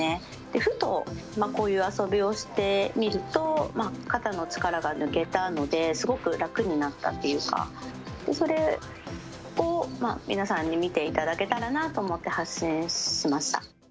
ふと、こういう遊びをしてみると、肩の力が抜けたので、すごく楽になったっていうか、それを皆さんに見ていただけたらなと思って、発信しました。